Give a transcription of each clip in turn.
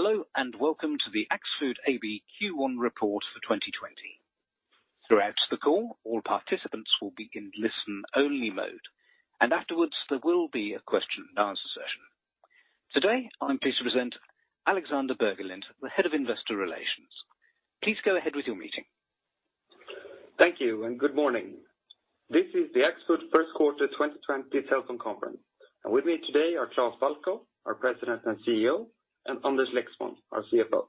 Hello, welcome to the Axfood AB Q1 report for 2020. Throughout the call, all participants will be in listen only mode, and afterwards there will be a question and answer session. Today, I'm pleased to present Alexander Bergendorf, the Head of Investor Relations. Please go ahead with your meeting. Thank you and good morning. This is the Axfood first quarter 2020 telephone conference. With me today are Klas Balkow, our President and CEO, and Anders Lexmon, our CFO.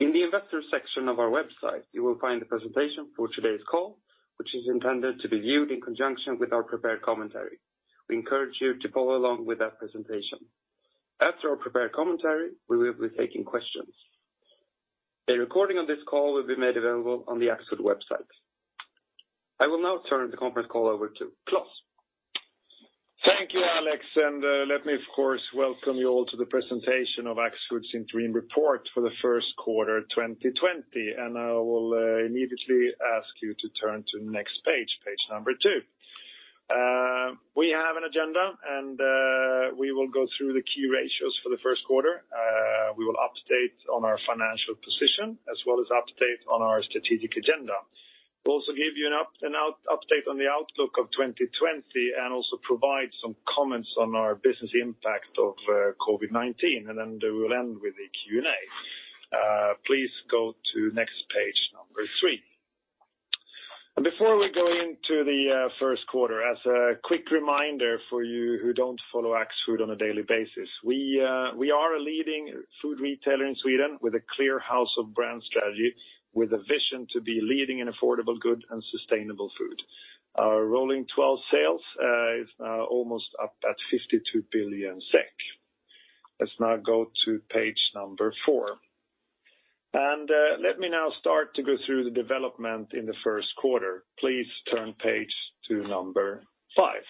In the investor section of our website, you will find the presentation for today's call, which is intended to be viewed in conjunction with our prepared commentary. We encourage you to follow along with that presentation. After our prepared commentary, we will be taking questions. A recording of this call will be made available on the Axfood website. I will now turn the conference call over to Klas. Thank you, Alex, and let me, of course, welcome you all to the presentation of Axfood's interim report for the first quarter 2020, and I will immediately ask you to turn to next page number two. We have an agenda and we will go through the key ratios for the first quarter. We will update on our financial position as well as update on our strategic agenda. We'll also give you an update on the outlook of 2020 and also provide some comments on our business impact of COVID-19, and then we will end with a Q&A. Please go to next page, number three. Before we go into the first quarter, as a quick reminder for you who don't follow Axfood on a daily basis, we are a leading food retailer in Sweden with a clear house of brand strategy, with a vision to be leading in affordable good and sustainable food. Our rolling 12 sales is now almost up at 52 billion SEK. Let's now go to page number four. Let me now start to go through the development in the first quarter. Please turn page to number five.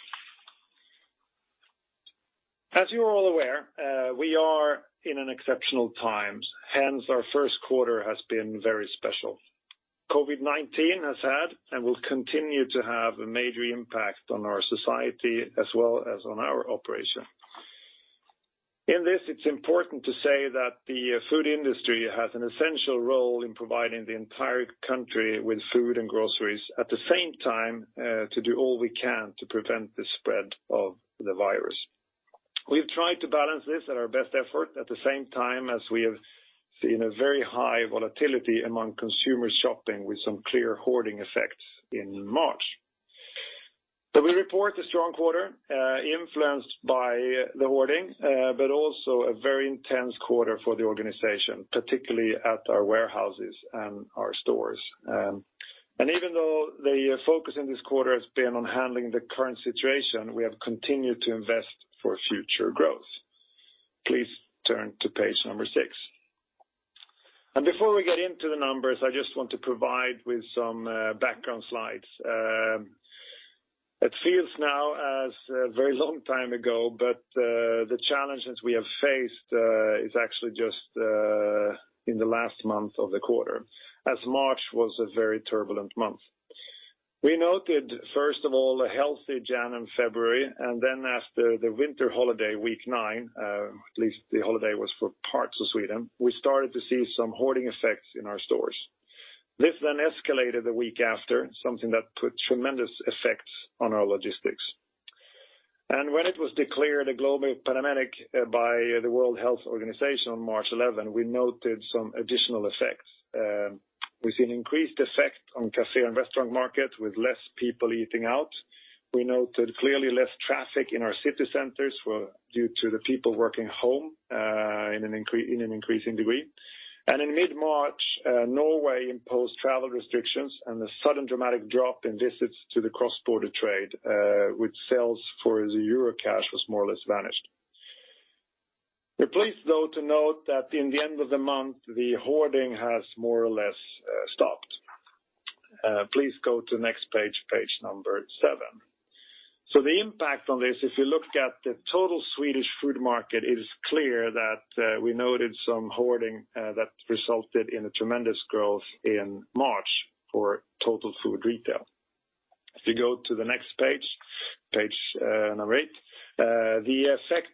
As you are all aware, we are in exceptional times, hence our first quarter has been very special. COVID-19 has had and will continue to have a major impact on our society as well as on our operation. In this, it's important to say that the food industry has an essential role in providing the entire country with food and groceries, at the same time, to do all we can to prevent the spread of the virus. We've tried to balance this at our best effort, at the same time as we have seen a very high volatility among consumer shopping with some clear hoarding effects in March. We report a strong quarter, influenced by the hoarding, but also a very intense quarter for the organization, particularly at our warehouses and our stores. Even though the focus in this quarter has been on handling the current situation, we have continued to invest for future growth. Please turn to page number six. Before we get into the numbers, I just want to provide with some background slides. It feels now as a very long time ago, the challenges we have faced is actually just in the last month of the quarter, as March was a very turbulent month. We noted, first of all, a healthy Jan and February, and then after the winter holiday week nine, at least the holiday was for parts of Sweden, we started to see some hoarding effects in our stores. This then escalated the week after, something that put tremendous effects on our logistics. When it was declared a global pandemic by the World Health Organization on March 11, we noted some additional effects. We've seen increased effect on cafe and restaurant markets with less people eating out. We noted clearly less traffic in our city centers due to the people working home in an increasing degree. In mid-March, Norway imposed travel restrictions and the sudden dramatic drop in visits to the cross-border trade, with sales for the Eurocash was more or less vanished. We're pleased though to note that in the end of the month, the hoarding has more or less stopped. Please go to next page number seven. The impact on this, if you look at the total Swedish food market, it is clear that we noted some hoarding that resulted in a tremendous growth in March for total food retail. If you go to the next page number eight. The effect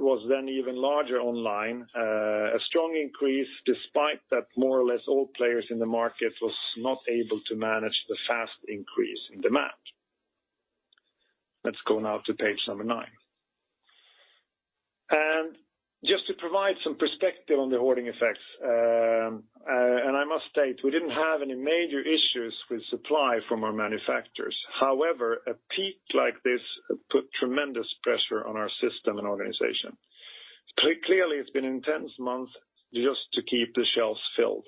was even larger online, a strong increase despite that more or less all players in the market was not able to manage the fast increase in demand. Let's go now to page number nine. Just to provide some perspective on the hoarding effects, and I must state we didn't have any major issues with supply from our manufacturers. However, a peak like this put tremendous pressure on our system and organization. Clearly, it's been an intense month just to keep the shelves filled.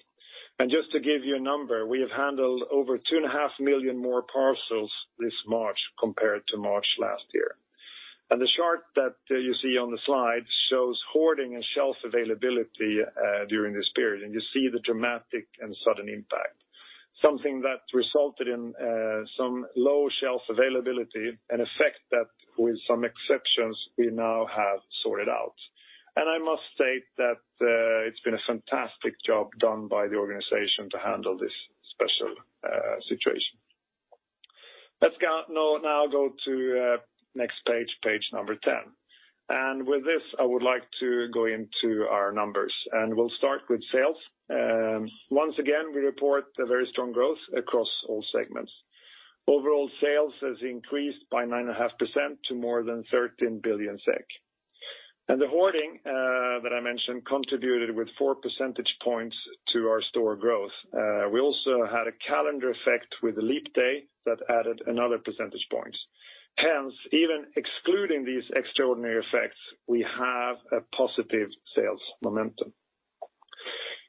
Just to give you a number, we have handled over 2.5 million more parcels this March compared to March last year. The chart that you see on the slide shows hoarding and shelf availability during this period, and you see the dramatic and sudden impact. Something that resulted in some low shelf availability, an effect that with some exceptions we now have sorted out. I must state that it's been a fantastic job done by the organization to handle this special situation. Let's now go to next page number 10. With this, I would like to go into our numbers, and we'll start with sales. Once again, we report a very strong growth across all segments. Overall sales has increased by 9.5% to more than 13 billion SEK. The hoarding that I mentioned contributed with four percentage points to our store growth. We also had a calendar effect with the leap day that added another percentage point. Hence, even excluding these extraordinary effects, we have a positive sales momentum.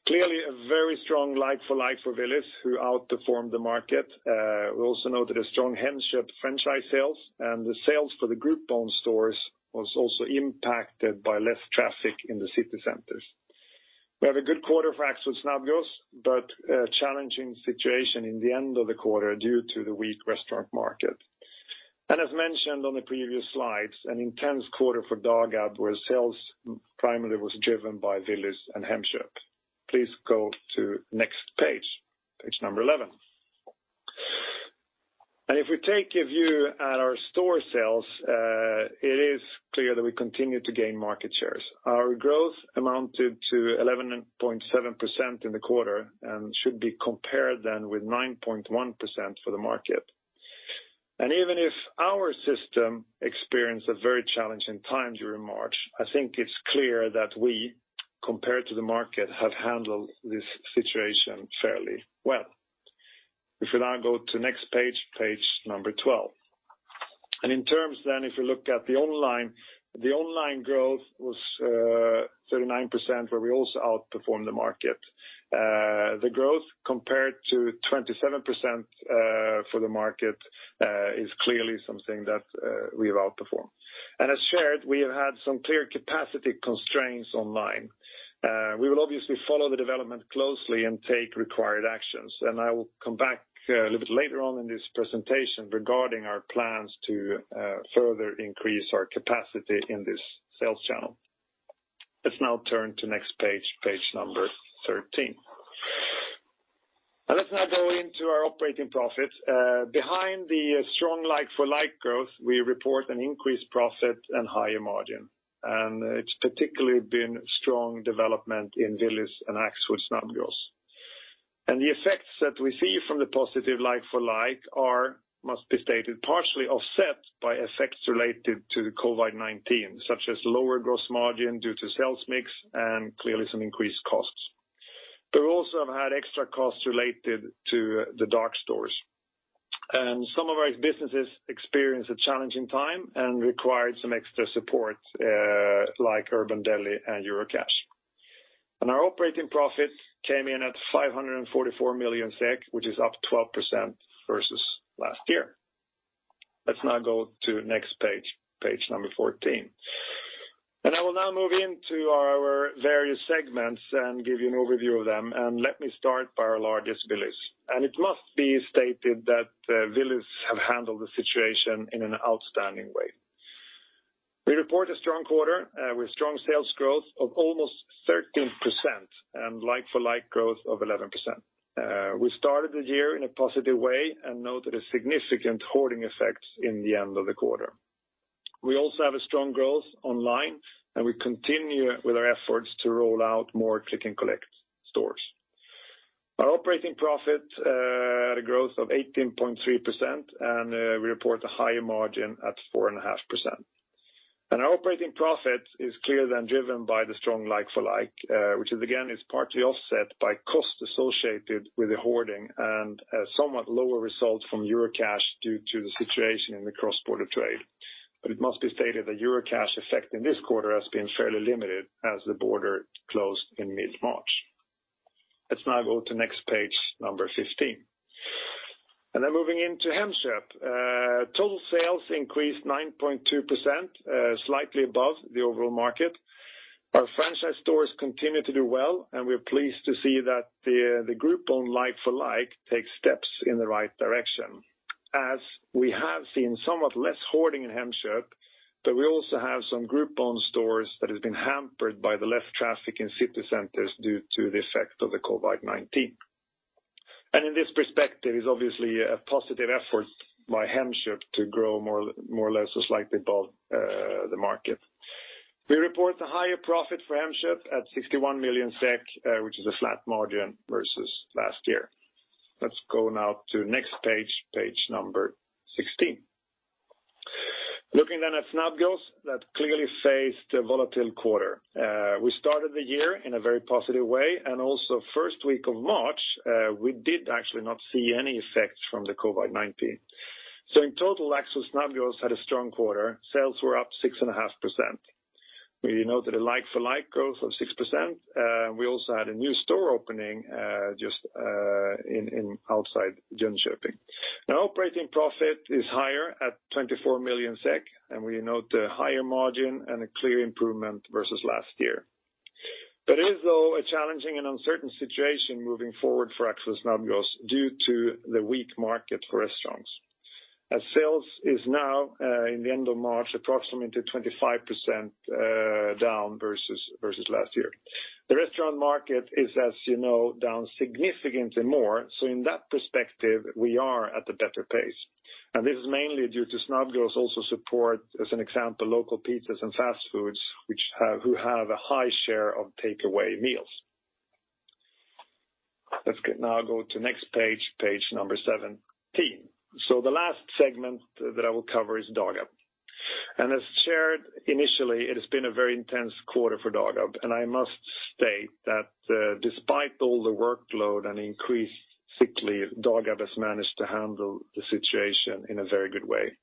Clearly a very strong like-for-like for Willys who outperformed the market. We also noted a strong Hemköp franchise sales and the sales for the group-owned stores was also impacted by less traffic in the city centers. We have a good quarter for Axfood Snabbgross, but a challenging situation in the end of the quarter due to the weak restaurant market. As mentioned on the previous slides, an intense quarter for Dagab where sales primarily was driven by Willys and Hemköp. Please go to next page number 11. If we take a view at our store sales, it is clear that we continue to gain market shares. Our growth amounted to 11.7% in the quarter and should be compared then with 9.1% for the market. Even if our system experienced a very challenging time during March, I think it's clear that we, compared to the market, have handled this situation fairly well. If we now go to next page 12. In terms then, if you look at the online, the online growth was 39% where we also outperformed the market. The growth compared to 27% for the market is clearly something that we have outperformed. As shared, we have had some clear capacity constraints online. We will obviously follow the development closely and take required actions. I will come back a little bit later on in this presentation regarding our plans to further increase our capacity in this sales channel. Let's now turn to next page number 13. Let's now go into our operating profit. Behind the strong like-for-like growth, we report an increased profit and higher margin. It's particularly been strong development in Willys and Axfood Snabbgross. The effects that we see from the positive like-for-like are, must be stated, partially offset by effects related to the COVID-19, such as lower gross margin due to sales mix and clearly some increased costs. We also have had extra costs related to the dark stores. Some of our businesses experienced a challenging time and required some extra support, like Urban Deli and Eurocash. Our operating profit came in at 544 million SEK, which is up 12% versus last year. Let's now go to next page 14. I will now move into our various segments and give you an overview of them, and let me start by our largest, Willys. It must be stated that Willys have handled the situation in an outstanding way. We report a strong quarter with strong sales growth of almost 13% and like-for-like growth of 11%. We started the year in a positive way and noted a significant hoarding effect in the end of the quarter. We also have a strong growth online, and we continue with our efforts to roll out more click and collect stores. Our operating profit had a growth of 18.3% and we report a higher margin at 4.5%. Our operating profit is clearly then driven by the strong like-for-like, which is again, is partly offset by cost associated with the hoarding and a somewhat lower result from Eurocash due to the situation in the cross-border trade. It must be stated that Eurocash effect in this quarter has been fairly limited as the border closed in mid-March. Let's now go to next page, number 15. Moving into Hemköp. Total sales increased 9.2%, slightly above the overall market. Our franchise stores continue to do well, and we're pleased to see that the group-owned like-for-like take steps in the right direction as we have seen somewhat less hoarding in Hemköp, but we also have some group-owned stores that have been hampered by the less traffic in city centers due to the effect of the COVID-19. In this perspective, it's obviously a positive effort by Hemköp to grow more or less just slightly above the market. We report a higher profit for Hemköp at 61 million SEK, which is a flat margin versus last year. Let's go now to next page 16. Looking then at Snabbgross, that clearly faced a volatile quarter. We started the year in a very positive way, and also first week of March, we did actually not see any effects from the COVID-19. In total, Axfood Snabbgross had a strong quarter. Sales were up 6.5%. We noted a like-for-like growth of 6%. We also had a new store opening just outside Jönköping. Operating profit is higher at 24 million SEK, and we note a higher margin and a clear improvement versus last year. It is though a challenging and uncertain situation moving forward for Axfood Snabbgross due to the weak market for restaurants. Sales is now, in the end of March, approximately 25% down versus last year. The restaurant market is, as you know, down significantly more. In that perspective, we are at a better pace. This is mainly due to Snabbgross also support, as an example, local pizzas and fast foods who have a high share of takeaway meals. Let's now go to next page 17. The last segment that I will cover is Dagab. As shared initially, it has been a very intense quarter for Dagab, and I must state that despite all the workload and increased sick leave, Dagab has managed to handle the situation in a very good way.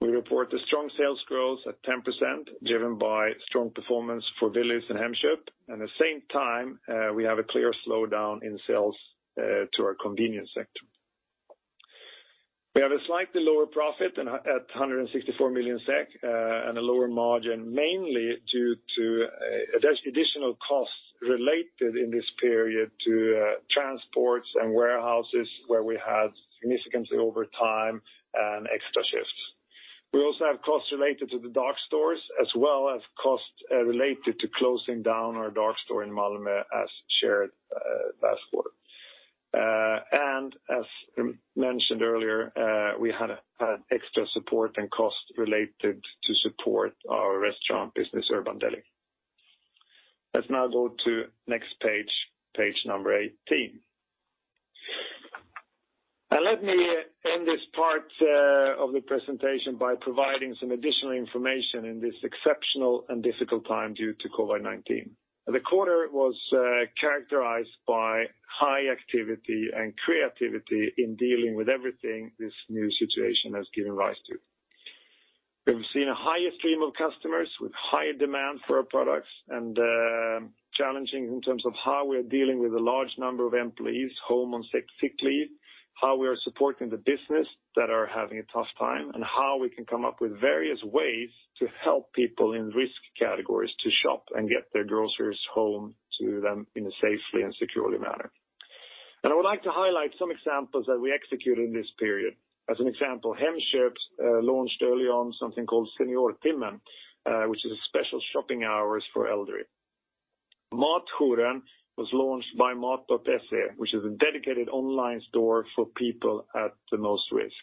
We report a strong sales growth at 10%, driven by strong performance for Willys and Hemköp, and at the same time, we have a clear slowdown in sales to our convenience sector. We have a slightly lower profit at 164 million SEK, and a lower margin, mainly due to additional costs related in this period to transports and warehouses where we had significantly over time and extra shifts. We also have costs related to the dark stores, as well as costs related to closing down our dark store in Malmö as shared last quarter. As mentioned earlier, we had extra support and costs related to support our restaurant business, Urban Deli. Let's now go to next page number 18. Let me end this part of the presentation by providing some additional information in this exceptional and difficult time due to COVID-19. The quarter was characterized by high activity and creativity in dealing with everything this new situation has given rise to. We've seen a higher stream of customers with higher demand for our products, and challenging in terms of how we're dealing with a large number of employees home on sick leave, how we are supporting the business that are having a tough time, and how we can come up with various ways to help people in risk categories to shop and get their groceries home to them in a safely and securely manner. I would like to highlight some examples that we executed in this period. As an example, Hemköp launched early on something called Seniortimmen, which is a special shopping hours for elderly. MatHorn was launched by Mat.se, which is a dedicated online store for people at the most risk.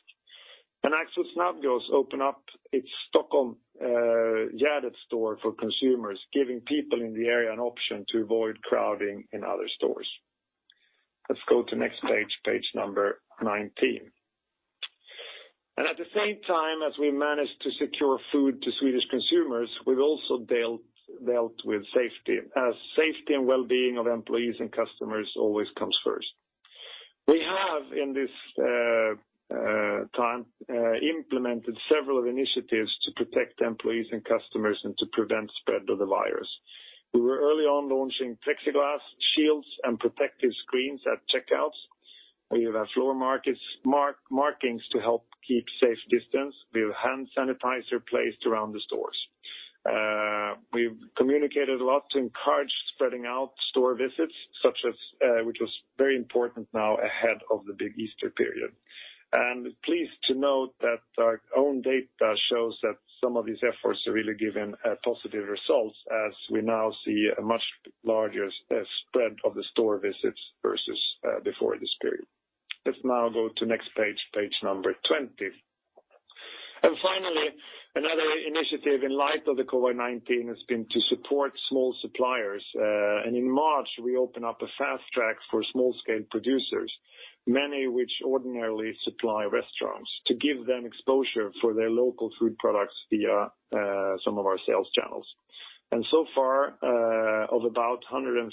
Axfood Snabbgross opened up its Stockholm Gärdet store for consumers, giving people in the area an option to avoid crowding in other stores. Let's go to next page number 19. At the same time as we managed to secure food to Swedish consumers, we've also dealt with safety, as safety and wellbeing of employees and customers always comes first. We have, in this time, implemented several initiatives to protect employees and customers and to prevent spread of the virus. We were early on launching plexiglass shields and protective screens at checkouts. We have floor markings to help keep safe distance. We have hand sanitizer placed around the stores. We've communicated a lot to encourage spreading out store visits, which was very important now ahead of the big Easter period. Pleased to note that our own data shows that some of these efforts have really given positive results as we now see a much larger spread of the store visits versus before this period. Let's now go to next page number 20. Finally, another initiative in light of the COVID-19 has been to support small suppliers. In March, we opened up a fast track for small-scale producers, many which ordinarily supply restaurants, to give them exposure for their local food products via some of our sales channels. So far, of about 150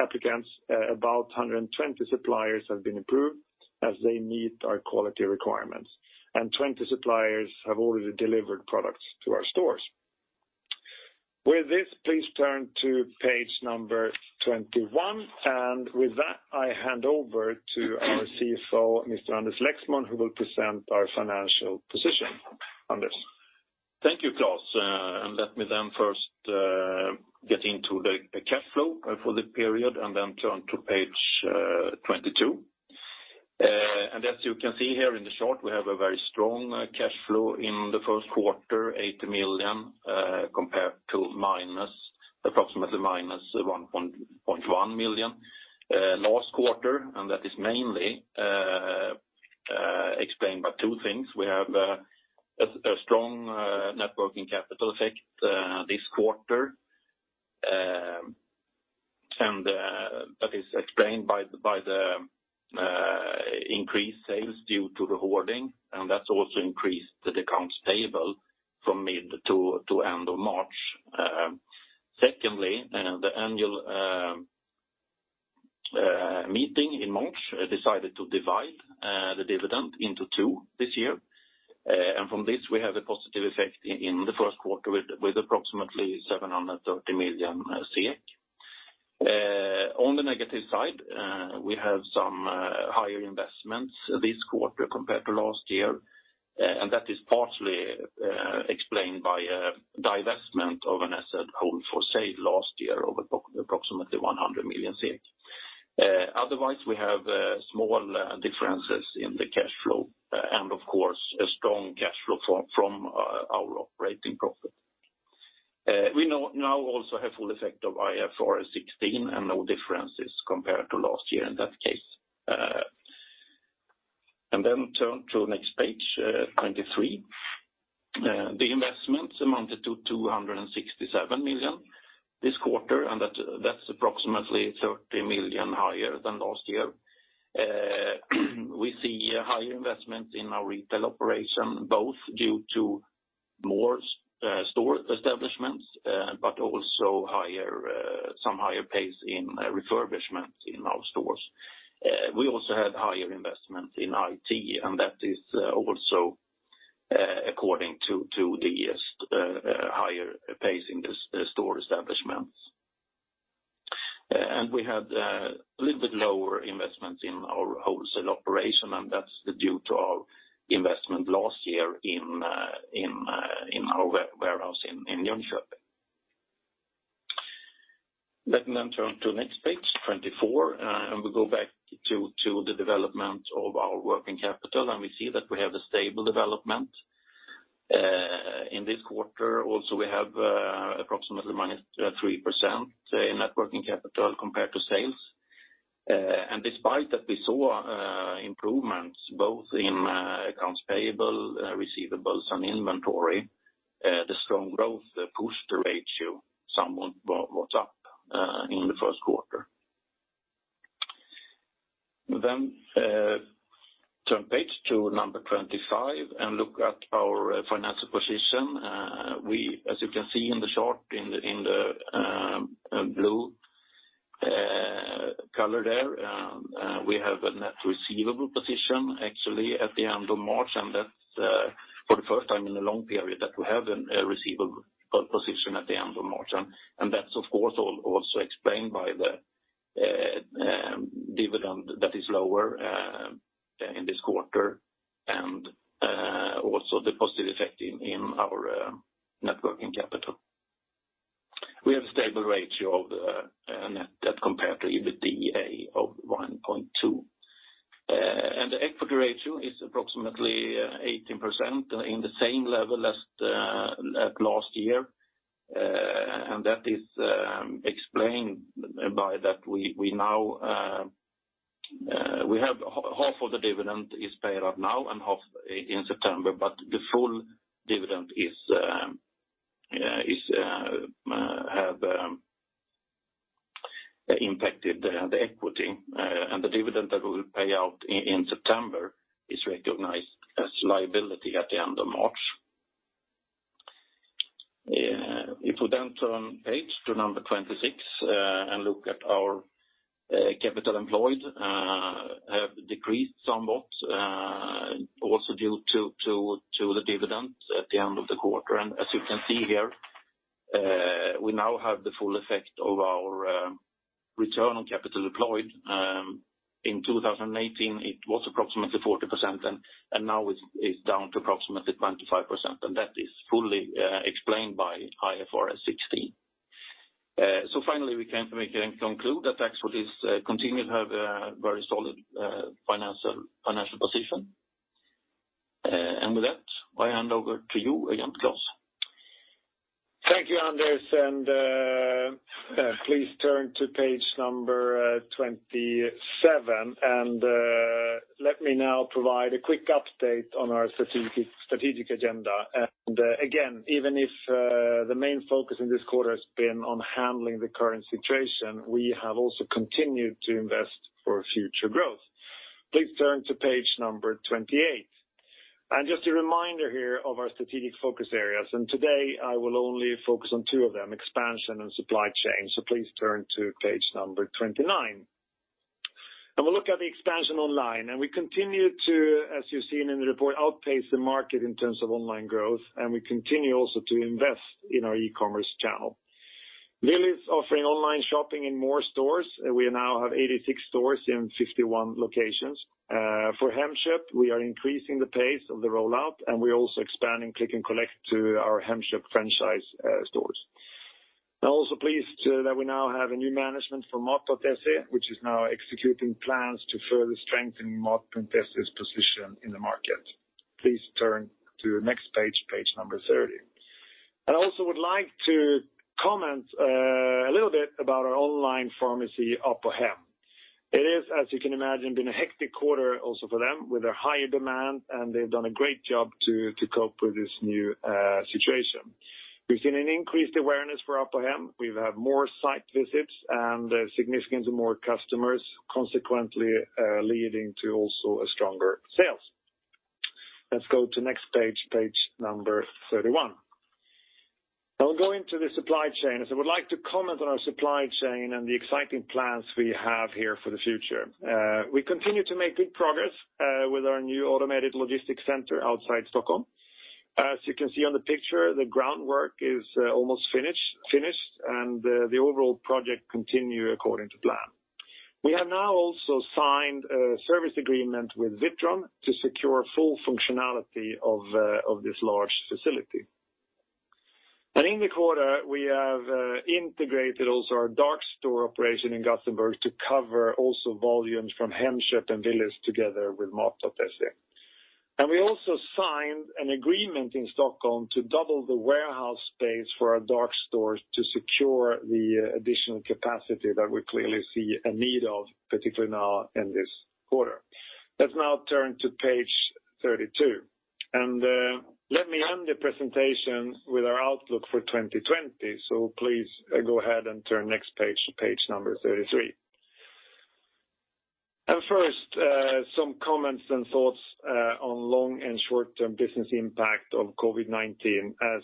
applicants, about 120 suppliers have been approved as they meet our quality requirements, and 20 suppliers have already delivered products to our stores. With this, please turn to page number 21, and with that, I hand over to our CFO, Mr. Anders Lexmon, who will present our financial position. Anders? Thank you, Klas, and let me then first get into the cash flow for the period and then turn to page 22. As you can see here in the chart, we have a very strong cash flow in the first quarter, 8 million, compared to approximately -1.1 million last quarter, and that is mainly explained by two things. We have a strong net working capital effect this quarter, and that is explained by the increased sales due to the hoarding, and that's also increased the accounts payable from mid to end of March. Secondly, the annual meeting in March decided to divide the dividend into two this year, and from this, we have a positive effect in the first quarter with approximately 730 million SEK. On the negative side, we have some higher investments this quarter compared to last year, and that is partially explained by a divestment of an asset held for sale last year of approximately 100 million. Otherwise, we have small differences in the cash flow and of course, a strong cash flow from our operating profit. We now also have full effect of IFRS 16 and no differences compared to last year in that case. Turn to next page, 23. The investments amounted to 267 million this quarter, and that's approximately 30 million higher than last year. We see higher investments in our retail operation, both due to more store establishments, but also some higher pace in refurbishment in our stores. We also had higher investments in IT, and that is also according to the higher pace in the store establishments. We had a little bit lower investments in our wholesale operation, and that's due to our investment last year in our warehouse in Hemköp. Let me then turn to next page 24. We go back to the development of our working capital. We see that we have a stable development. In this quarter also, we have approximately -3% net working capital compared to sales. Despite that we saw improvements both in accounts payable, receivables, and inventory, the strong growth pushed the ratio somewhat up in the first quarter. Turn page to number 25. Look at our financial position. As you can see in the chart in the blue color there, we have a net receivable position actually at the end of March. That's for the first time in a long period that we have a receivable position at the end of March. That's of course, also explained by the dividend that is lower in this quarter and also the positive effect in our net working capital. We have a stable ratio of the net debt compared to EBITDA of 1.2. The equity ratio is approximately 18% in the same level as last year. That is explained by that half of the dividend is paid out now and half in September, but the full dividend have impacted the equity, and the dividend that we will pay out in September is recognized as liability at the end of March. If we then turn page to 26 and look at our capital employed have decreased somewhat also due to the dividend at the end of the quarter. As you can see here, we now have the full effect of our Return on Capital Deployed. In 2018, it was approximately 40% and now it's down to approximately 25%, and that is fully explained by IFRS 16. Finally, we can conclude that Axfood is continuing to have a very solid financial position. With that, I hand over to you again, Klas. Thank you, Anders, and please turn to page number 27. Let me now provide a quick update on our strategic agenda. Again, even if the main focus in this quarter has been on handling the current situation, we have also continued to invest for future growth. Please turn to page number 28. Just a reminder here of our strategic focus areas, and today I will only focus on two of them, expansion and supply chain. Please turn to page number 29. We'll look at the expansion online. We continue to, as you've seen in the report, outpace the market in terms of online growth, and we continue also to invest in our e-commerce channel. Willys offering online shopping in more stores. We now have 86 stores in 51 locations. For Hemköp, we are increasing the pace of the rollout, and we're also expanding click and collect to our Hemköp franchise stores. I'm also pleased that we now have a new management for Mat.se, which is now executing plans to further strengthen Mat.se's position in the market. Please turn to next page number 30. I also would like to comment a little bit about our online pharmacy Apohem. It is, as you can imagine, been a hectic quarter also for them with a higher demand, and they've done a great job to cope with this new situation. We've seen an increased awareness for Apohem. We've had more site visits and significantly more customers, consequently leading to also a stronger sales. Let's go to next page number 31. Now we go into the supply chain, as I would like to comment on our supply chain and the exciting plans we have here for the future. We continue to make good progress with our new automated logistics center outside Stockholm. As you can see on the picture, the groundwork is almost finished, and the overall project continues according to plan. We have now also signed a service agreement with Witron to secure full functionality of this large facility. In the quarter, we have integrated also our dark store operation in Gothenburg to cover also volumes from Hemköp and Willys together with Mat.se. We also signed an agreement in Stockholm to double the warehouse space for our dark stores to secure the additional capacity that we clearly see a need of, particularly now in this quarter. Let's now turn to page 32. Let me end the presentation with our outlook for 2020. Please go ahead and turn next page to page number 33. First, some comments and thoughts on long and short-term business impact of COVID-19. As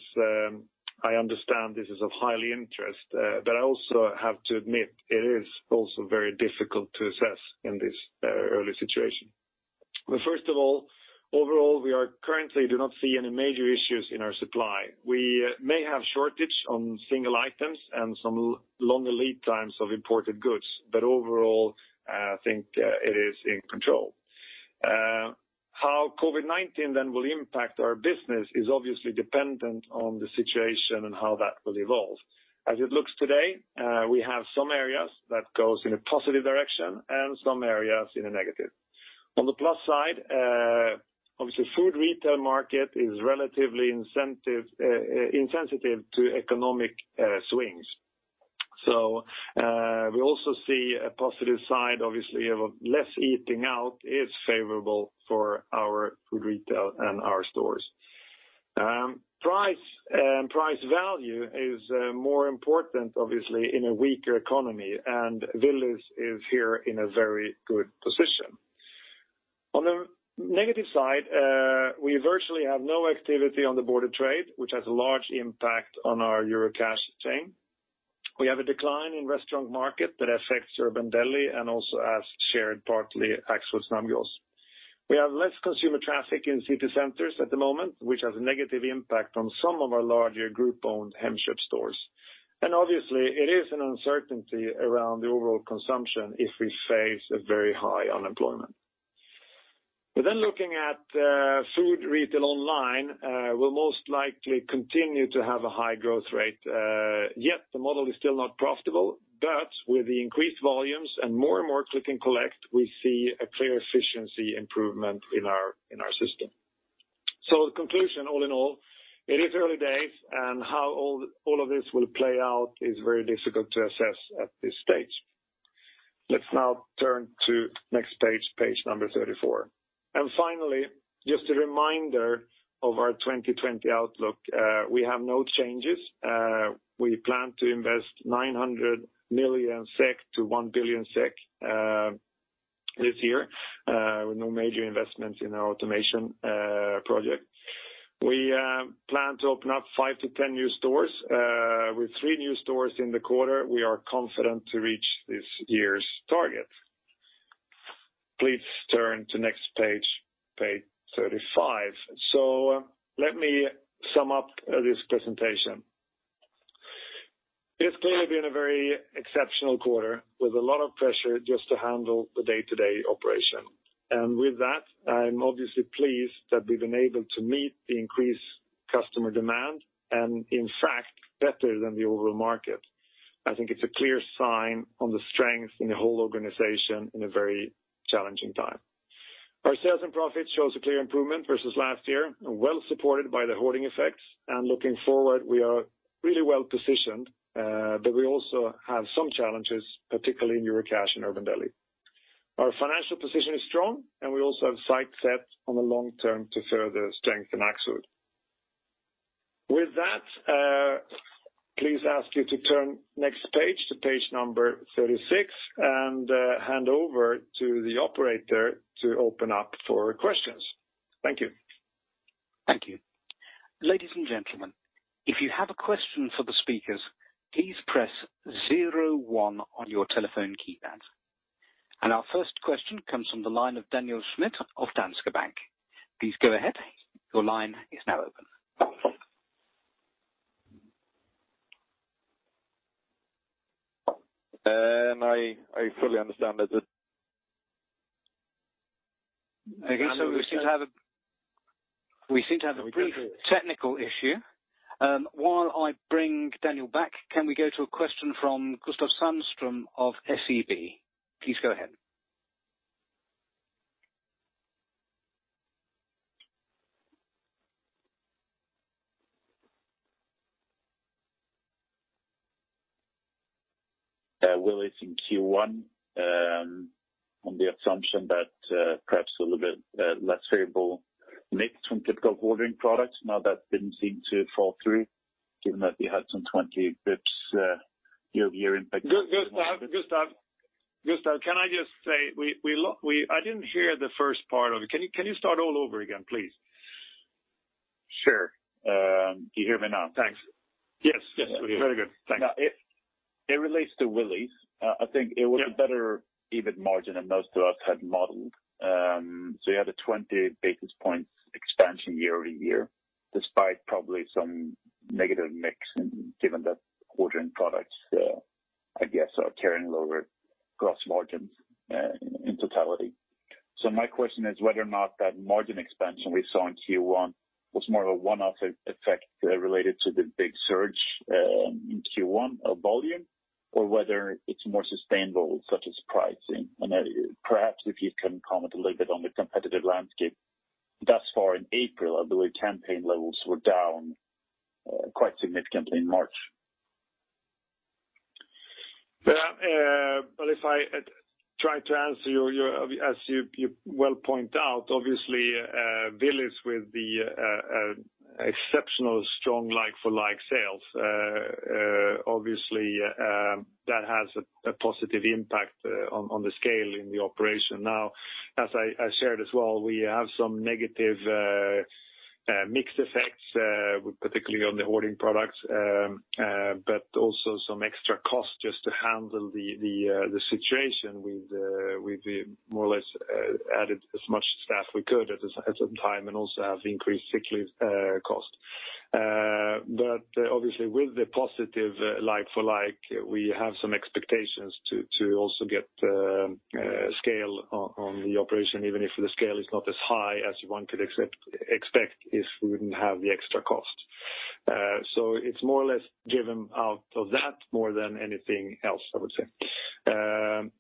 I understand, this is of high interest, but I also have to admit it is also very difficult to assess in this early situation. First of all, overall, we currently do not see any major issues in our supply. We may have shortage on single items and some longer lead times of imported goods, but overall, I think it is in control. How COVID-19 then will impact our business is obviously dependent on the situation and how that will evolve. As it looks today, we have some areas that goes in a positive direction and some areas in a negative. On the plus side, obviously food retail market is relatively insensitive to economic swings. We also see a positive side, obviously, of less eating out is favorable for our food retail and our stores. Price value is more important, obviously, in a weaker economy, and Willys is here in a very good position. On the negative side, we virtually have no activity on the border trade, which has a large impact on our Eurocash chain. We have a decline in restaurant market that affects Urban Deli and also as shared partly affects Axfood's Snabbgross. We have less consumer traffic in city centers at the moment, which has a negative impact on some of our larger group-owned Hemköp stores. Obviously, it is an uncertainty around the overall consumption if we face a very high unemployment. Looking at food retail online, we'll most likely continue to have a high growth rate. Yet the model is still not profitable, but with the increased volumes and more and more click and collect, we see a clear efficiency improvement in our system. The conclusion all in all, it is early days and how all of this will play out is very difficult to assess at this stage. Let's now turn to next page 34. Finally, just a reminder of our 2020 outlook. We have no changes. We plan to invest 900 million-1 billion SEK this year, with no major investments in our automation project. We plan to open up 5-10 new stores. With three new stores in the quarter, we are confident to reach this year's target. Please turn to next page 35. Let me sum up this presentation. It's clearly been a very exceptional quarter with a lot of pressure just to handle the day-to-day operation. With that, I'm obviously pleased that we've been able to meet the increased customer demand, and in fact, better than the overall market. I think it's a clear sign on the strength in the whole organization in a very challenging time. Our sales and profit shows a clear improvement versus last year and well supported by the hoarding effects. Looking forward, we are really well positioned, but we also have some challenges, particularly in Eurocash and Urban Deli. Our financial position is strong, and we also have sights set on the long term to further strengthen Axfood. With that, please ask you to turn next page to page number 36 and hand over to the operator to open up for questions. Thank you. Thank you. Ladies and gentlemen, if you have a question for the speakers, please press zero one on your telephone keypad. Our first question comes from the line of Daniel Schmidt of Danske Bank. Please go ahead. Your line is now open. I fully understand that. Okay. We seem to have a brief technical issue. While I bring Daniel back, can we go to a question from Gustav Sandström of SEB? Please go ahead. Willys in Q1 on the assumption that perhaps a little bit less favorable mix from typical hoarding products. That didn't seem to fall through given that we had some 20-basis points year-over-year impact. Gustav, can I just say, I didn't hear the first part of it. Can you start all over again, please? Sure. Do you hear me now? Thanks. Yes. Very good. Thanks. It relates to Willys. I think it was a better EBIT margin than most of us had modeled. You had a 20 basis points expansion year-over-year, despite probably some negative mix and given that hoarding products, I guess, are carrying lower gross margins in totality. My question is whether or not that margin expansion we saw in Q1 was more of a one-off effect related to the big surge in Q1 of volume? Or whether it's more sustainable, such as pricing? Perhaps if you can comment a little bit on the competitive landscape thus far in April, although campaign levels were down quite significantly in March. Well, if I try to answer you, as you well point out, obviously, Willys with the exceptional strong like-for-like sales, obviously, that has a positive impact on the scale in the operation. As I shared as well, we have some negative mixed effects, particularly on the hoarding products, but also some extra costs just to handle the situation with the more or less added as much staff we could at some time and also have increased sick leave cost. Obviously with the positive like-for-like, we have some expectations to also get scale on the operation, even if the scale is not as high as one could expect if we wouldn't have the extra cost. It's more or less given out of that more than anything else, I would say.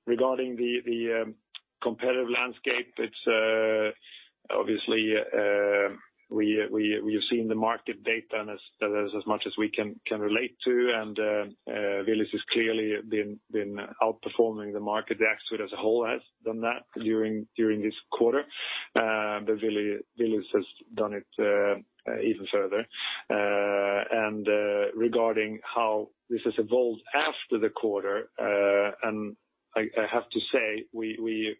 Regarding the competitive landscape, obviously we've seen the market data and as much as we can relate to, and Willys has clearly been outperforming the market. The Axfood as a whole has done that during this quarter, but Willys has done it even further. Regarding how this has evolved after the quarter, and I have to say, we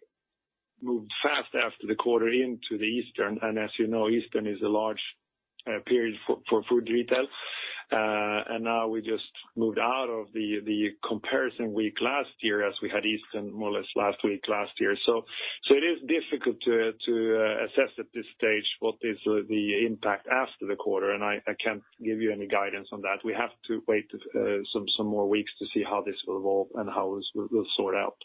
moved fast after the quarter into the Easter, and as you know, Easter is a large period for food retail. Now we just moved out of the comparison week last year as we had Easter more or less last week, last year. It is difficult to assess at this stage what is the impact after the quarter, and I can't give you any guidance on that. We have to wait some more weeks to see how this will evolve and how this will sort out.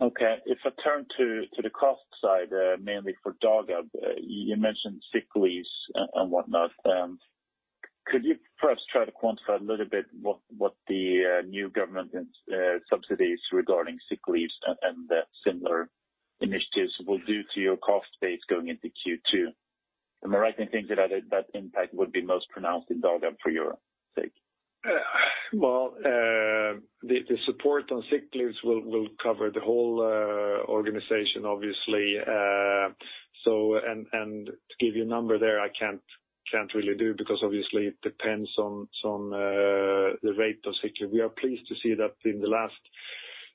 Okay. If I turn to the cost side, mainly for Dagab, you mentioned sick leaves and whatnot. Could you perhaps try to quantify a little bit what the new government subsidies regarding sick leaves and similar initiatives will do to your cost base going into Q2? Am I right in thinking that impact would be most pronounced in Dagab for your sake? Well, the support on sick leaves will cover the whole organization, obviously. To give you a number there, I can't really do because obviously it depends on the rate of sick leave. We are pleased to see that in the last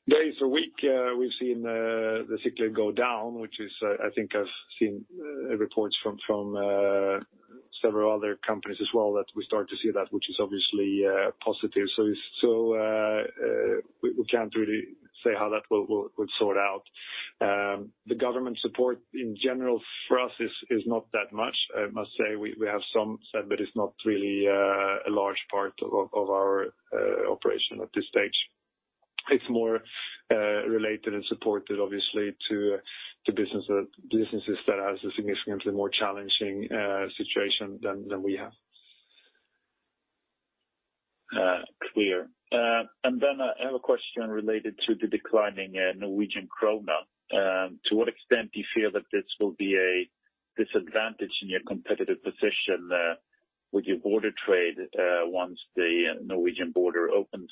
days or week, we've seen the sick leave go down, which is I think I've seen reports from several other companies as well that we start to see that, which is obviously positive. We can't really say how that would sort out. The government support in general for us is not that much. I must say we have some, but it's not really a large part of our operation at this stage. It's more related and supported obviously to businesses that has a significantly more challenging situation than we have. Clear. Then I have a question related to the declining Norwegian krone. To what extent do you feel that this will be a disadvantage in your competitive position with your border trade once the Norwegian border opens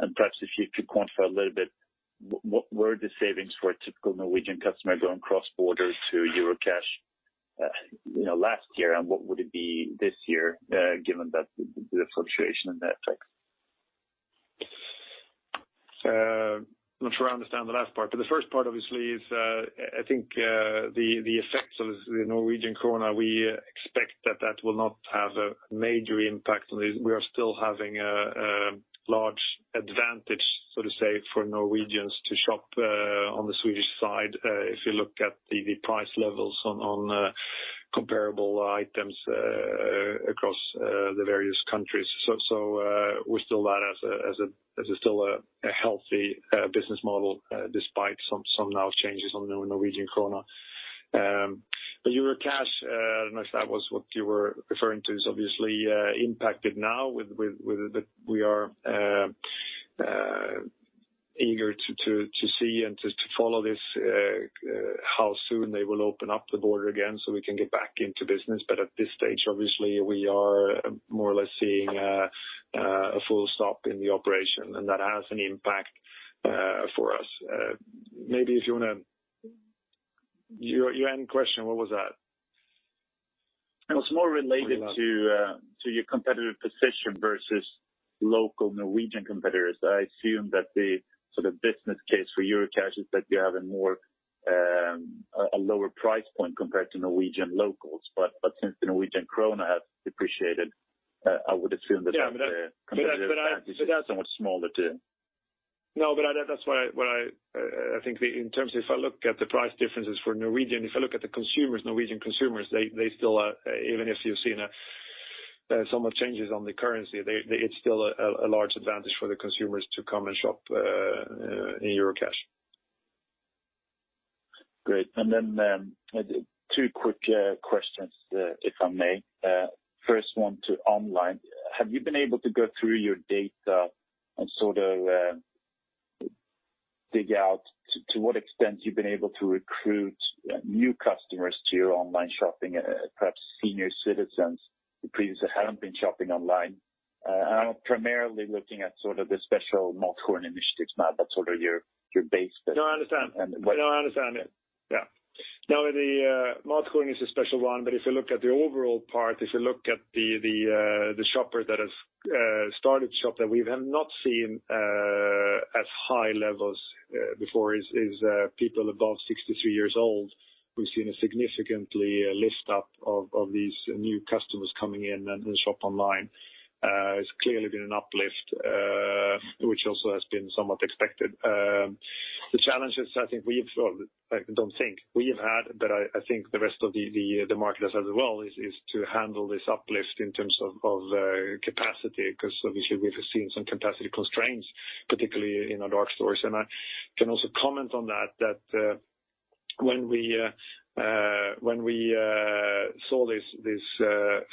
again? Perhaps if you could quantify a little bit, what were the savings for a typical Norwegian customer going cross-border to Eurocash last year and what would it be this year given the fluctuation and the effects? I'm not sure I understand the last part. The first part obviously is I think the effects of the Norwegian krone, we expect that that will not have a major impact on it. We are still having a large advantage, so to say, for Norwegians to shop on the Swedish side, if you look at the price levels on comparable items across the various countries. We're still a healthy business model despite some now changes on the Norwegian krone. Eurocash, I don't know if that was what you were referring to, is obviously impacted now. We are eager to see and to follow this how soon they will open up the border again so we can get back into business. At this stage, obviously, we are more or less seeing a full stop in the operation, and that has an impact for us. Maybe if you want to Your end question, what was that? It was more related to your competitive position versus local Norwegian competitors. I assume that the sort of business case for Eurocash is that you have a lower price point compared to Norwegian locals. Since the Norwegian krone has depreciated. Yeah, but I. Competitive advantage is so much smaller too. That's why I think in terms if I look at the price differences for Norwegian, if I look at the consumers, Norwegian consumers, even if you've seen somewhat changes on the currency, it's still a large advantage for the consumers to come and shop in Eurocash. Great. Two quick questions, if I may. First one to online. Have you been able to go through your data and sort of dig out to what extent you've been able to recruit new customers to your online shopping, perhaps senior citizens who previously hadn't been shopping online? I'm primarily looking at the special MatHorn initiatives now that's sort of your base. I understand. The MatHorn is a special one, if you look at the overall part, if you look at the shopper that has started shop that we have not seen at high levels before is people above 63 years old. We've seen a significantly list up of these new customers coming in and shop online. It's clearly been an uplift, which also has been somewhat expected. The challenges I think we've had, but I think the rest of the market as well, is to handle this uplift in terms of capacity, because obviously we've seen some capacity constraints, particularly in our dark stores. I can also comment on that when we saw this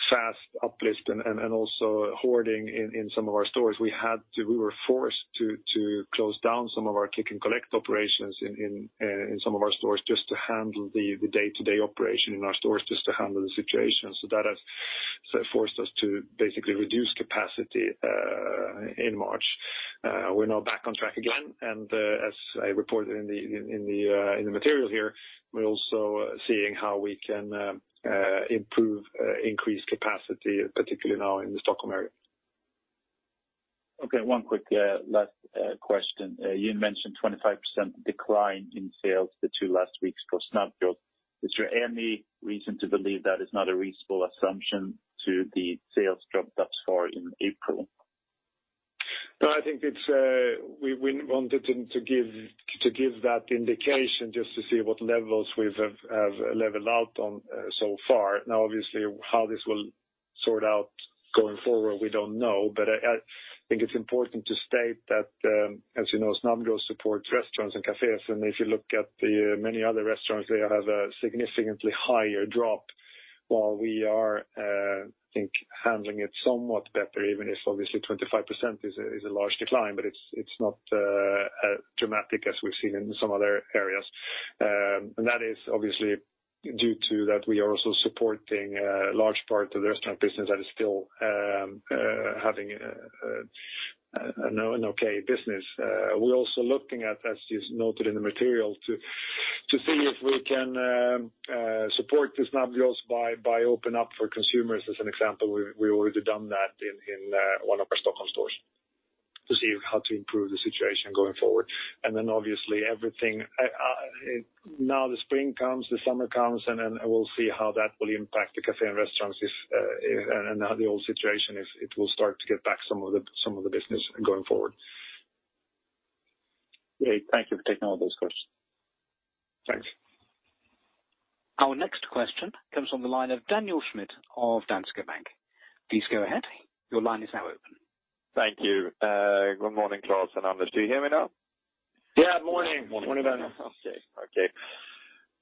fast uplift and also hoarding in some of our stores, we were forced to close down some of our click and collect operations in some of our stores just to handle the day-to-day operation in our stores, just to handle the situation. That has forced us to basically reduce capacity in March. We are now back on track again, and as I reported in the material here, we are also seeing how we can improve increased capacity, particularly now in the Stockholm area. Okay. One quick last question. You mentioned 25% decline in sales the two last weeks for Snabbgross. Is there any reason to believe that is not a reasonable assumption to the sales drop that's for in April? No, I think we wanted to give that indication just to see what levels we've leveled out on so far. Now, obviously, how this will sort out going forward, we don't know. I think it's important to state that, as you know, Snabbgross supports restaurants and cafes, and if you look at the many other restaurants, they have a significantly higher drop. While we are, I think, handling it somewhat better, even if obviously 25% is a large decline, but it's not as dramatic as we've seen in some other areas. That is obviously due to that we are also supporting a large part of the restaurant business that is still having an okay business. We're also looking at, as is noted in the material, to see if we can support the Snabbgross by open up for consumers as an example. We've already done that in one of our Stockholm stores to see how to improve the situation going forward. Obviously, now the spring comes, the summer comes, and then we'll see how that will impact the cafe and restaurants and how the whole situation, if it will start to get back some of the business going forward. Great. Thank you for taking all those questions. Thanks. Our next question comes from the line of Daniel Schmidt of Danske Bank. Please go ahead. Your line is now open. Thank you. Good morning, Klas and Anders. Do you hear me now? Yeah. Morning. Okay.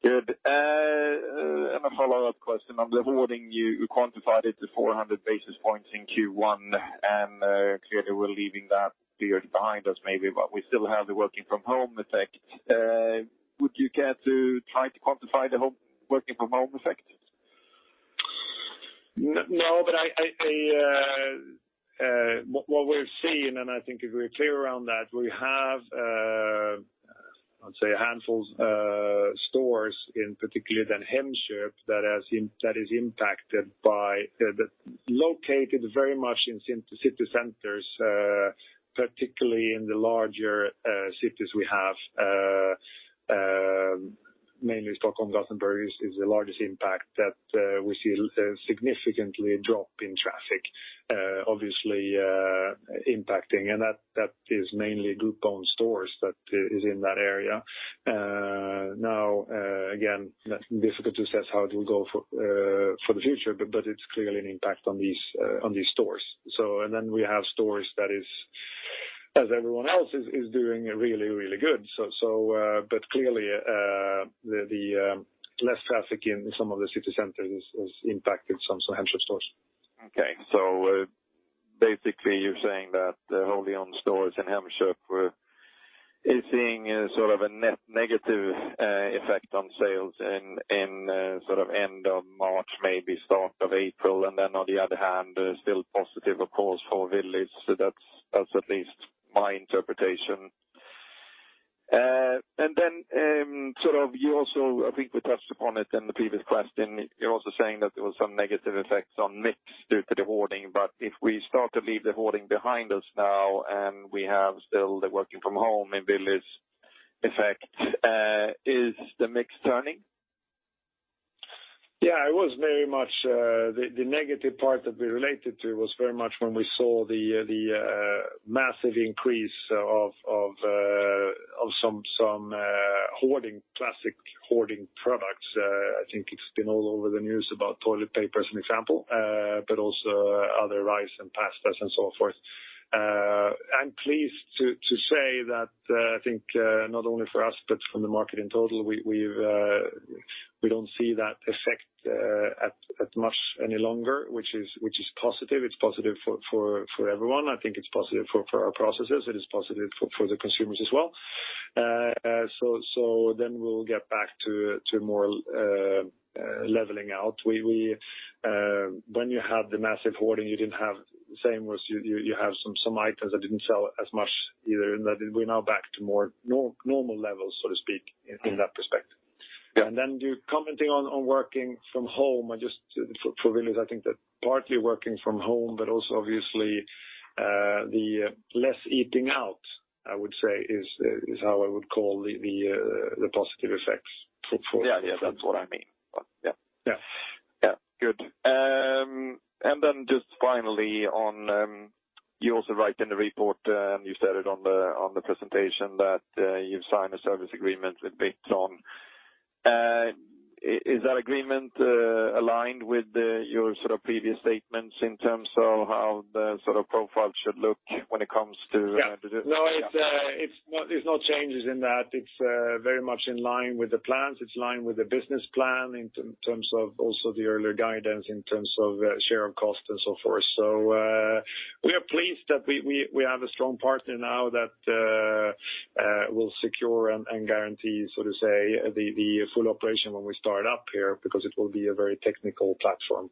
Good. A follow-up question on the hoarding. You quantified it to 400 basis points in Q1, and clearly we're leaving that period behind us maybe, but we still have the working from home effect. Would you care to try to quantify the whole working from home effect? What we're seeing, and I think if we're clear around that, we have, let's say a handful of stores in particularly then Hemköp that is impacted by, located very much in city centers, particularly in the larger cities we have, mainly Stockholm, Gothenburg is the largest impact that we see a significant drop in traffic, obviously impacting, and that is mainly group owned stores that is in that area. Again, difficult to assess how it will go for the future, but it's clearly an impact on these stores. We have stores that is, as everyone else, is doing really, really good. Clearly, the less traffic in some of the city centers has impacted some Hemköp stores. Okay. Basically, you're saying that only on stores in Hemköp we're seeing sort of a net negative effect on sales in end of March, maybe start of April, and then on the other hand, still positive, of course, for Willys. That's at least my interpretation. Then you also, I think we touched upon it in the previous question, you're also saying that there was some negative effects on mix due to the hoarding. If we start to leave the hoarding behind us now, and we have still the working from home in Willys effect, is the mix turning? Yeah, the negative part that we related to was very much when we saw the massive increase of some hoarding, classic hoarding products. I think it's been all over the news about toilet paper as an example, but also other rice and pastas and so forth. I'm pleased to say that I think not only for us but from the market in total, we don't see that effect as much any longer, which is positive. It's positive for everyone. I think it's positive for our processes, it is positive for the consumers as well. We'll get back to more leveling out. When you have the massive hoarding, you didn't have the same, you have some items that didn't sell as much either, and that we're now back to more normal levels, so to speak, in that perspective. Yeah. You're commenting on working from home and just for Willys, I think that partly working from home, but also obviously, the less eating out, I would say is how I would call the positive effects. Yeah. That's what I mean. Yeah. Yeah. Yeah. Good. Just finally on, you also write in the report, you said it on the presentation that you've signed a service agreement with Witron. Is that agreement aligned with your previous statements in terms of how the sort of profile should look? Yeah. There's no changes in that. It's very much in line with the plans. It's in line with the business plan in terms of also the earlier guidance in terms of share of cost and so forth. We are pleased that we have a strong partner now that will secure and guarantee, so to say, the full operation when we start up here, because it will be a very technical platform.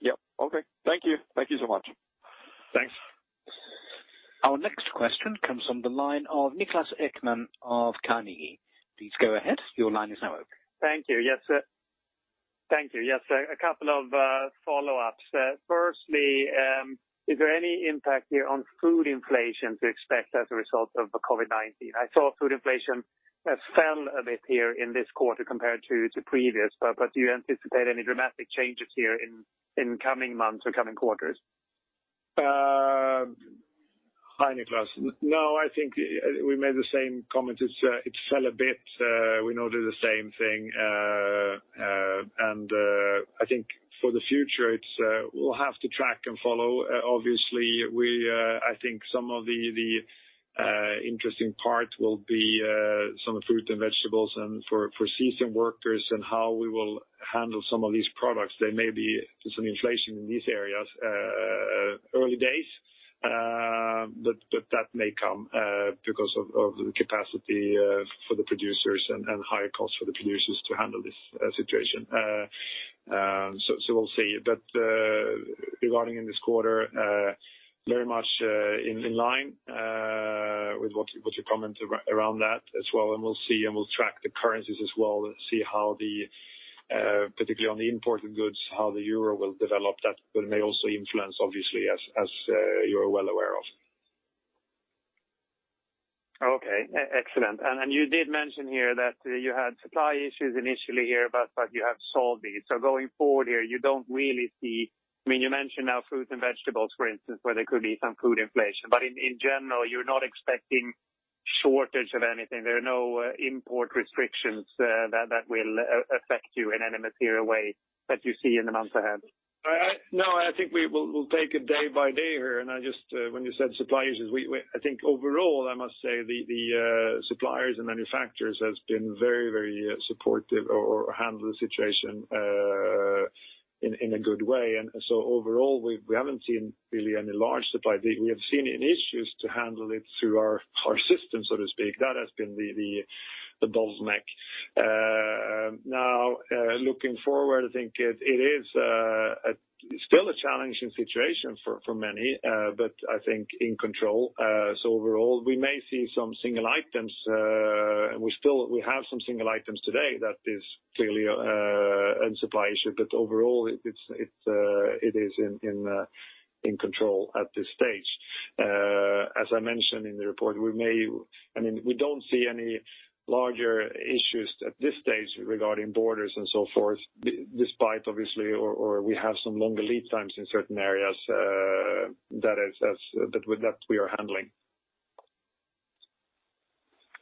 Yep. Okay. Thank you. Thank you so much. Thanks. Our next question comes from the line of Niklas Ekman of Carnegie. Please go ahead. Your line is now open. Thank you. Yes, sir. A couple of follow-ups. Firstly, is there any impact here on food inflation to expect as a result of the COVID-19? I saw food inflation fell a bit here in this quarter compared to previous, do you anticipate any dramatic changes here in coming months or coming quarters? Hi, Niklas. No, I think we made the same comment. It fell a bit. We noted the same thing. I think for the future, we'll have to track and follow. Obviously, I think some of the interesting part will be some fruit and vegetables and for season workers and how we will handle some of these products. There may be some inflation in these areas early days, but that may come because of the capacity for the producers and higher costs for the producers to handle this situation. We'll see. Regarding in this quarter, very much in line with what you commented around that as well, and we'll see and we'll track the currencies as well and see how the, particularly on the imported goods, how the euro will develop. That may also influence, obviously, as you're well aware of. Okay, excellent. You did mention here that you had supply issues initially here, but you have solved these. Going forward here, you mentioned now fruits and vegetables, for instance, where there could be some food inflation. In general, you're not expecting shortage of anything. There are no import restrictions that will affect you in any material way that you see in the months ahead. No, I think we'll take it day by day here. When you said supply issues, I think overall, I must say the suppliers and manufacturers have been very supportive and handled the situation in a good way. Overall, we haven't seen really any large supply issues. We have seen issues to handle it through our system, so to speak. That has been the bottleneck. Looking forward, I think it is still a challenging situation for many, but I think in control. Overall, we may see some single items. We have some single items today that is clearly a supply issue, but overall, it is in control at this stage. As I mentioned in the report, we don't see any larger issues at this stage regarding borders and so forth, despite, obviously, we have some longer lead times in certain areas that we are handling.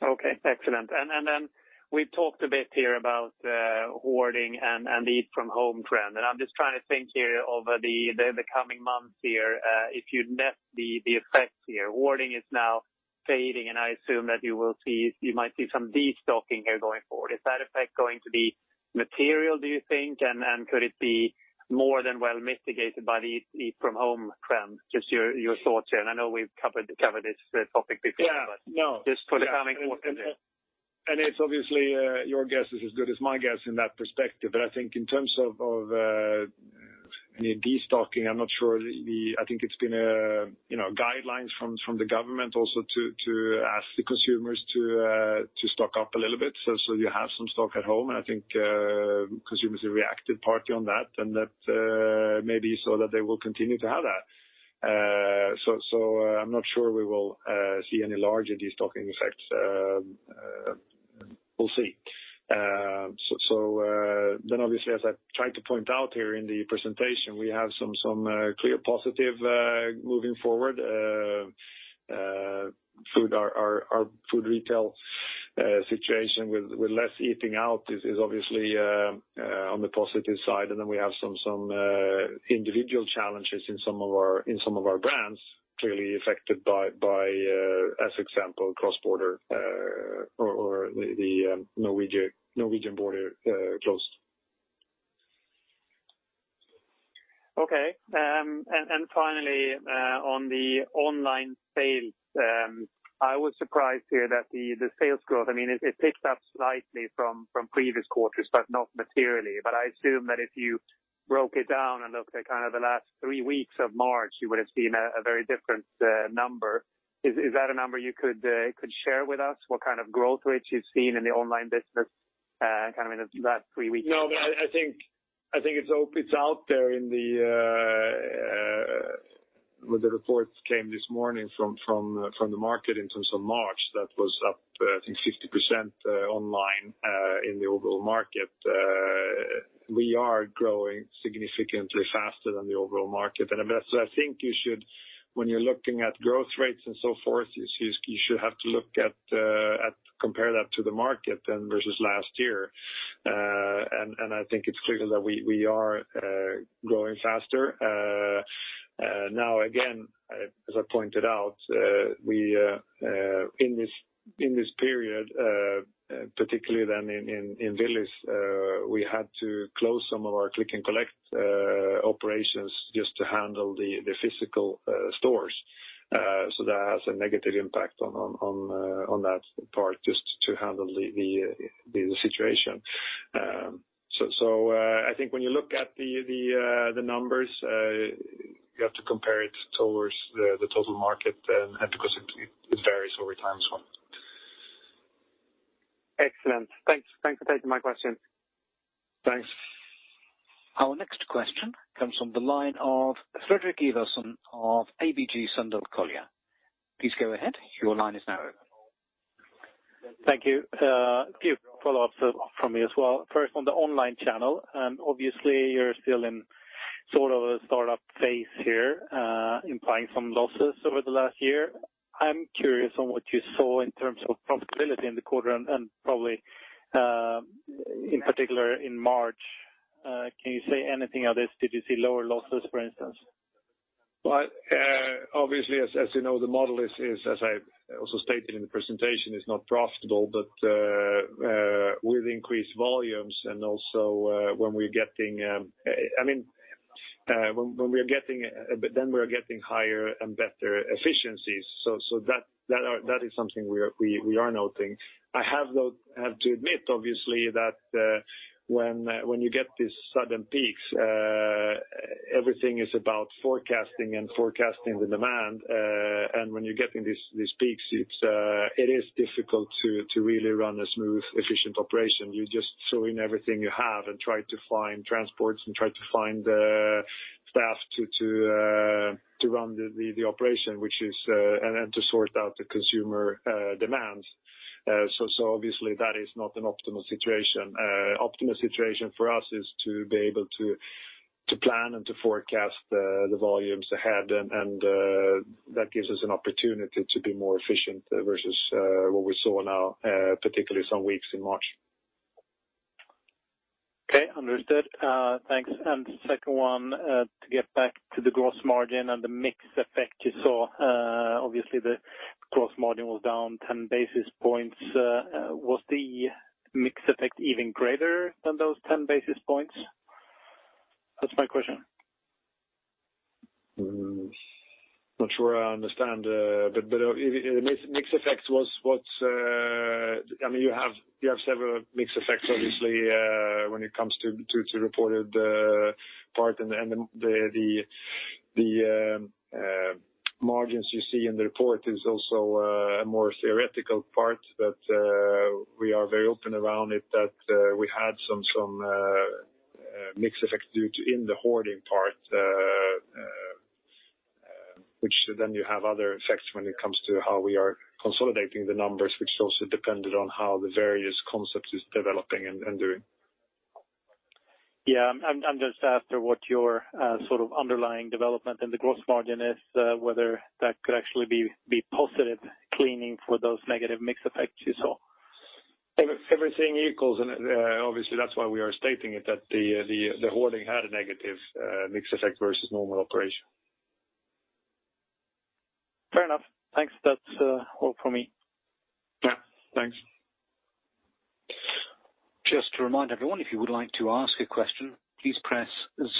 Okay, excellent. Then we've talked a bit here about hoarding and the eat from home trend. I'm just trying to think here over the coming months here, if you'd net the effects here. Hoarding is now fading. I assume that you might see some destocking here going forward. Is that effect going to be material, do you think? Could it be more than well mitigated by the eat from home trend? Just your thoughts here. I know we've covered this topic before. Yeah. No. Just for the coming quarter. It's obviously, your guess is as good as my guess in that perspective. I think in terms of any destocking, I'm not sure. I think it's been guidelines from the government also to ask the consumers to stock up a little bit so you have some stock at home, and I think consumers are reactive party on that, and that may be so that they will continue to have that. I'm not sure we will see any larger destocking effects. We'll see. Obviously, as I tried to point out here in the presentation, we have some clear positive moving forward. Our food retail situation with less eating out is obviously on the positive side, and then we have some individual challenges in some of our brands clearly affected by, as example, cross-border or the Norwegian border closed. Okay. Finally, on the online sales, I was surprised here that the sales growth, it ticks up slightly from previous quarters, but not materially. I assume that if you broke it down and looked at kind of the last three weeks of March, you would've seen a very different number. Is that a number you could share with us, what kind of growth rate you've seen in the online business kind of in that three weeks? I think it's out there when the reports came this morning from the market in terms of March, that was up, I think 60% online, in the overall market. We are growing significantly faster than the overall market. I think when you're looking at growth rates and so forth, you should have to compare that to the market than versus last year. I think it's clear that we are growing faster. Now, again, as I pointed out, in this period, particularly then in Willys, we had to close some of our click and collect operations just to handle the physical stores. That has a negative impact on that part just to handle the situation. I think when you look at the numbers, you have to compare it towards the total market then and because it varies over time as well. Excellent. Thanks for taking my question. Thanks. Our next question comes from the line of Fredrik Ivarsson of ABG Sundal Collier. Please go ahead. Your line is now open. Thank you. A few follow-ups from me as well. First, on the online channel, obviously you're still in sort of a startup phase here, implying some losses over the last year. I'm curious on what you saw in terms of profitability in the quarter and probably, in particular in March. Can you say anything on this? Did you see lower losses, for instance? Well, obviously as you know, the model is, as I also stated in the presentation, is not profitable. With increased volumes and also we're getting higher and better efficiencies. That is something we are noting. I have to admit, obviously, that when you get these sudden peaks, everything is about forecasting and forecasting the demand. When you're getting these peaks, it is difficult to really run a smooth, efficient operation. You're just throwing everything you have and try to find transports and try to find staff to run the operation and then to sort out the consumer demands. Obviously, that is not an optimal situation. Optimal situation for us is to be able to plan and to forecast the volumes ahead and that gives us an opportunity to be more efficient versus what we saw now, particularly some weeks in March. Okay. Understood. Thanks. Second one, to get back to the gross margin and the mix effect you saw. Obviously, the gross margin was down 10 basis points. Was the mix effect even greater than those 10 basis points? That's my question. Not sure I understand. I mean, you have several mix effects obviously, when it comes to reported part and the margins you see in the report is also a more theoretical part. We are very open around it that we had some mix effects due to in the hoarding part, which then you have other effects when it comes to how we are consolidating the numbers, which also depended on how the various concepts is developing and doing. Yeah. I'm just after what your sort of underlying development in the gross margin is, whether that could actually be positive cleaning for those negative mix effects you saw. Everything equals, and obviously, that's why we are stating it, that the hoarding had a negative mix effect versus normal operation. Fair enough. Thanks. That's all from me. Yeah. Thanks. Just to remind everyone, if you would like to ask a question, please press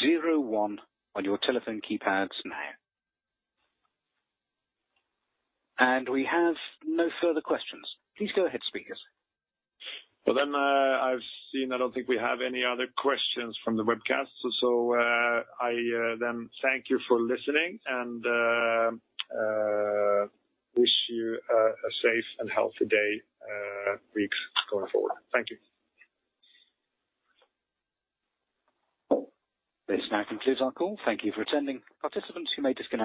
zero one on your telephone keypads now. We have no further questions. Please go ahead, speakers. I've seen, I don't think we have any other questions from the webcast. I then thank you for listening and wish you a safe and healthy day, weeks going forward. Thank you. This now concludes our call. Thank you for attending. Participants, you may disconnect.